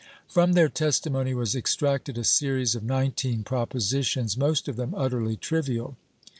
From their testimony was extracted a series of nineteen proposi tions, most of them utterly trivial.